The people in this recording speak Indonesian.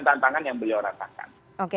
tantangan yang beliau rasakan